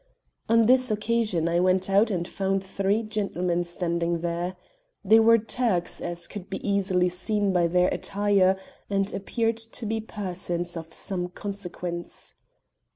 On this occasion I went out and found three gentlemen standing there. They were Turks, as could be easily seen by their attire, and appeared to be persons of some consequence."